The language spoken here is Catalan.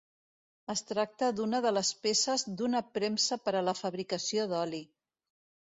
Es tracta d'una de les peces d'una premsa per a la fabricació d'oli.